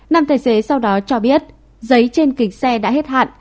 năm tài xế sau đó cho biết giấy trên kính xe đã hết hạn